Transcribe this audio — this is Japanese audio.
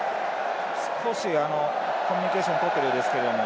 少し、コミュニケーションとっているようですけど。